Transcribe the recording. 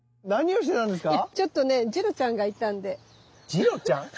ジロちゃん？